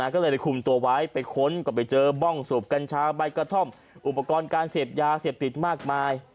ก็เลยคุมตัวไว้ไปค้นก็ไปเจอบ้องสูบกัญชาใบกระท่อมอุปกรณ์การเสพยาเสพติดมากมาย